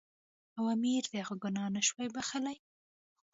او امیر د هغه ګناه نه شو بخښلای.